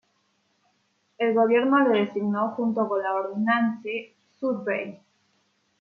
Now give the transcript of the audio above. El gobierno le designó junto con la Ordnance Survey.